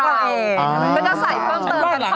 มันจะใส่ความเติมกันเข้าไป